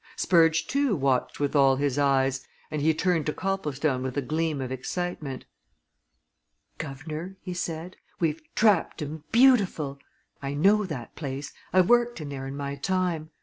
Spurge, too, watched with all his eyes, and he turned to Copplestone with a gleam of excitement. "Guv'nor!" he said. "We've trapped 'em beautiful! I know that place I've worked in there in my time.